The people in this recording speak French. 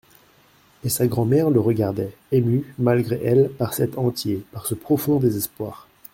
Et sa grand'mère la regardait, émue malgré elle par cet entier, par ce profond désespoir.